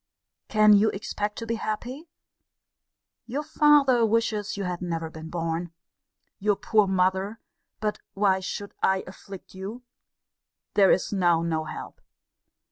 Can you expect to be happy? Your father wishes you had never been born. Your poor mother but why should I afflict you? There is now no help!